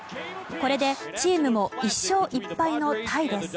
これでチームも１勝１敗のタイです。